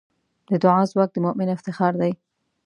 د دعا ځواک د مؤمن افتخار دی.